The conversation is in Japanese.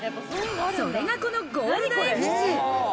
それが、このゴールドえんぴつ。